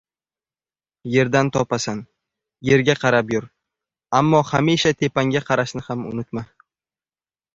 • Yerdan topasan, yerga qarab yur, ammo hamisha tepangga qarashni ham unutma.